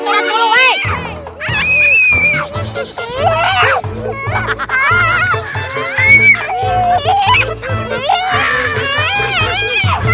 ada menyataku turatulu